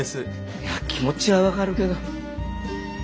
いや気持ちは分かるけど。